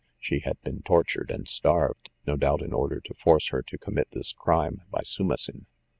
She had been tortured and starved, no doubt in order to force her to commit this crime, by Soumissin.